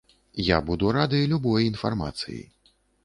Я буду рады любой інфармацыі.